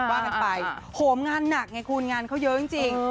ว่ากันไปโหมงานหนักไงคุณงานเขาเยอะจริง